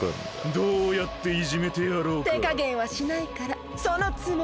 どうやっていじめてやろうか。てかげんはしないからそのつもりで。